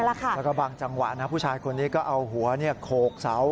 แล้วก็บางจังหวะนะผู้ชายคนนี้ก็เอาหัวโขกเสา